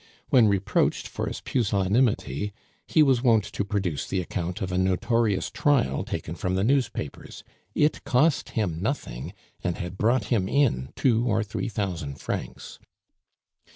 When reproached for his pusillanimity, he was wont to produce the account of a notorious trial taken from the newspapers; it cost him nothing, and had brought him in two or three thousand francs.